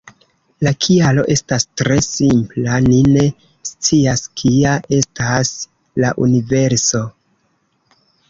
La kialo estas tre simpla: ni ne scias kia estas la universo".